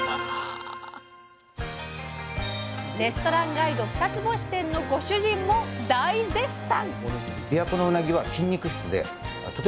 レストランガイドニつ星店のご主人も大絶賛！